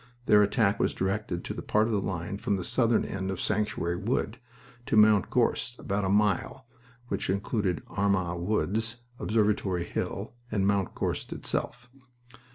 Their attack was directed to the part of the line from the southern end of Sanctuary Wood to Mount Gorst, about a mile, which included Armagh Wood, Observatory Hill, and Mount Gorst itself.